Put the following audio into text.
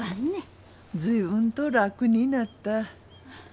随分と楽になった。